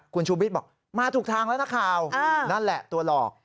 คุณชูวิทย์บอกมาถูกทางแล้วนักข่าวนั่นแหละตัวหลอก